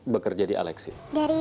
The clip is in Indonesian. bekerja di alexis